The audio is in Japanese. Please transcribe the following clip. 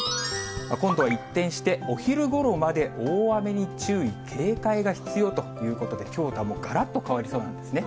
今度は一転して、お昼ごろまで大雨に注意、警戒が必要ということで、きょうとはがらっと変わりそうなんですね。